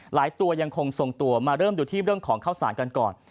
ตัวยังคงทรงตัวมาเริ่มดูที่เรื่องของข้าวสารกันก่อน